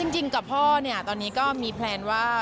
จริงกับพ่อเนี่ยตอนนี้ก็มีแพลนว่า